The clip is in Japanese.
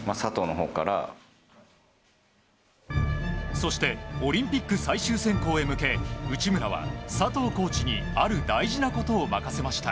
そしてオリンピック最終選考へ向け内村は、佐藤コーチにある大事なことを任せました。